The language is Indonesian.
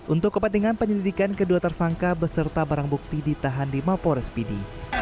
untuk kepentingan penyelidikan kedua tersangka beserta barang bukti ditahan di mapores pidi